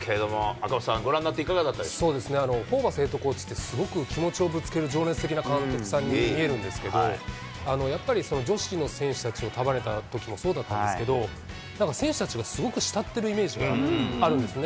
赤星さん、ご覧になっていかがでホーバスヘッドコーチって、すごく気持ちをぶつける、情熱的な監督さんに見えるんですけど、やっぱり女子の選手たちを束ねたときもそうだったんですけど、なんか、選手たちがすごく慕っているイメージがあるんですね。